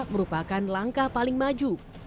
merupakan langkah paling maju